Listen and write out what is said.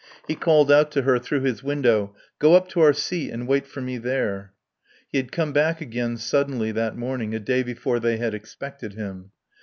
He called out to her through his window, "Go up to our seat and wait for me there." He had come back again, suddenly, that morning, a day before they had expected him.